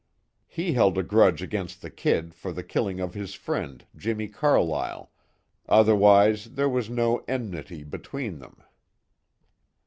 He held a grudge against the "Kid" for the killing of his friend, Jimmie Carlyle, otherwise there was no enmity between them.